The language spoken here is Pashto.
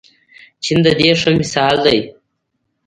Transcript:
چین د دې ښه مثال دی.